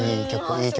いい曲。